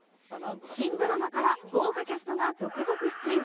新ドラマから豪華キャストが続々出演。